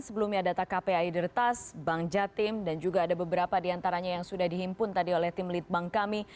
sebelumnya data kpai dertas bank jatim dan juga ada beberapa diantaranya yang sudah dihimpun tadi oleh tim lead bank kami